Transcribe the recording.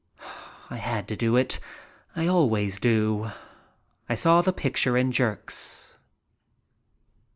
I had to do it. I always do. I saw the picture in jerks.